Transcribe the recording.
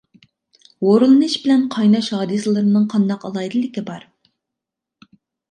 ھورلىنىش بىلىن قايناش ھادىسىلىرىنىڭ قانداق ئالاھىدىلىكى بار؟